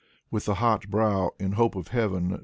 With the hot brow, in hope of heaven.